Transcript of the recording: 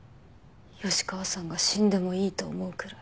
吉川さんが死んでもいいと思うくらい。